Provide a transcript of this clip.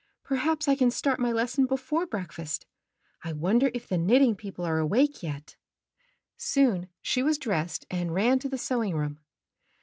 ''Perhaps I can start my lesson before breakfast. I wonder if the Knitting People are awake yet?" Soon she was dressed, and ran to the sewing room.